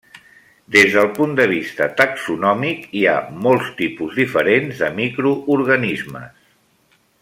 Des del punt de vista taxonòmic, hi ha molts tipus diferents de microorganismes.